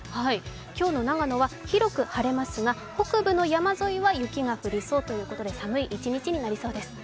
今日の長野は広く晴れますが北部の山沿いは雪が降りそうということで寒い一日になりそうです。